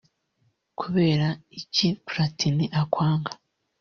Kubera iki Platini akwanga